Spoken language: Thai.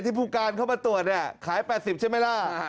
ที่ภูการเขามาตรวจขาย๘๐เช่นเวลา